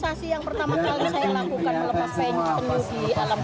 saya juga menjaga jawabannya dengan kuno tinggi muka